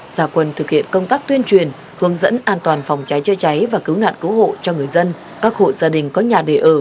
giả quân thực hiện công tác tuyên truyền hướng dẫn an toàn phòng cháy chơi cháy và cứu nạn cứu hộ cho người dân các hộ gia đình có nhà để ở